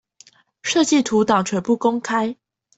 設計圖檔全部公開